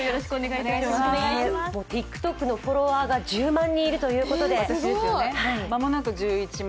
ＴｉｋＴｏｋのフォロワーが１０万人いるということでまもなく１１万